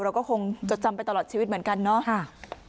เราก็คงจดจำไปตลอดชีวิตเหมือนกันเนาะ